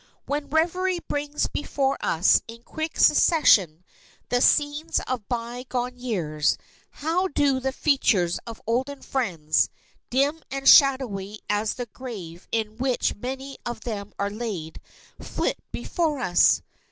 When reverie brings before us in quick succession the scenes of by gone years, how do the features of olden friends, dim and shadowy as the grave in which many of them are laid, flit before us!